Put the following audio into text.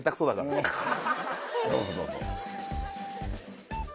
どうぞどうぞ。